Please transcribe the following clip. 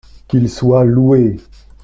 Qu’il soit loué.